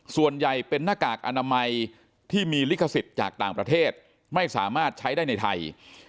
ส่วนใหญ่เป็นหน้ากากอนามัยที่มีลิขสิทธิ์จากต่างประเทศไม่สามารถใช้ได้ในไทย